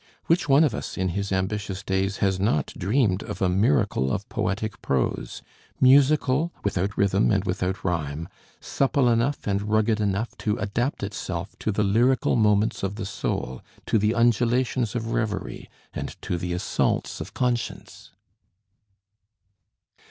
Which one of us in his ambitious days has not dreamed of a miracle of poetic prose, musical, without rhythm and without rhyme, supple enough and rugged enough to adapt itself to the lyrical movements of the soul, to the undulations of reverie, and to the assaults of conscience?"